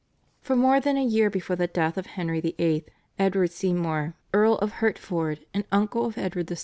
For more than a year before the death of Henry VIII., Edward Seymour, Earl of Hertford and uncle of Edward VI.